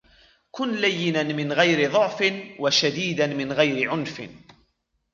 كن ليناً من غير ضعف وشديداً من غير عنف.